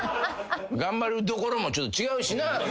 頑張るところもちょっと違うしな。